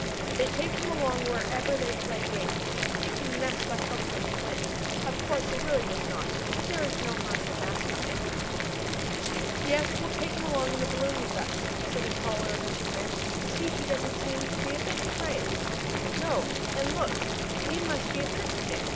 They take him along whenever they play games, thinking the mascot helps them to win. Of course it really does not, but there is no harm in a mascot, anyhow. "Yes, we'll take him along in the balloon with us," said the taller of the two men. "See, he doesn't seem to be a bit afraid." "No, and look! He must be a trick pig!